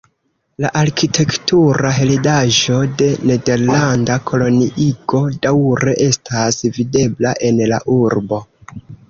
La arkitektura heredaĵo de nederlanda koloniigo daŭre estas videbla en la urbo.